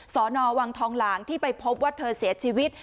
สอนอวังทองหลางที่ไปพบว่าเธอเสียชีวิต